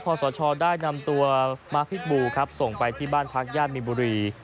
ขอบส่อชอได้นำตัวมาร์คพิษบูร์ส่งไปที่บ้านพักย่านมีบุรี